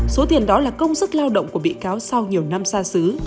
số tiền đó là công sức lao động của bị cáo sau nhiều năm xa xứ